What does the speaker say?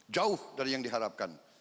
jauh dari yang diharapkan